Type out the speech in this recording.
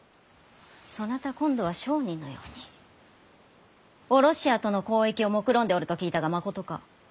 そなた今度は商人のようにヲロシアとの交易をもくろんでおると聞いたがまことか！？